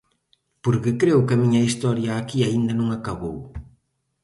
Porque creo que a miña historia aquí aínda non acabou.